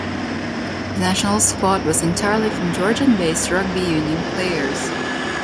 The national squad was entirely from Georgian-based rugby union players.